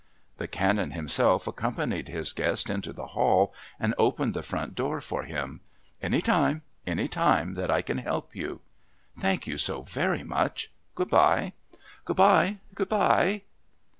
The Canon himself accompanied his guest into the hall and opened the front door for him. "Any time any time that I can help you." "Thank you so very much. Good bye." "Good bye. Good bye."